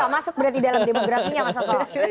masuk berarti dalam demografinya mas sato